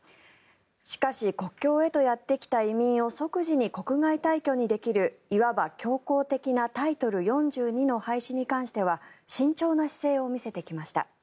しかし国境へとやってきた移民を即時に国外退去にできるいわば強硬的なタイトル４２の廃止に関しては慎重な姿勢を見せてきました。